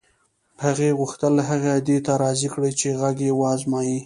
هغې غوښتل هغه دې ته راضي کړي چې غږ یې و ازمایي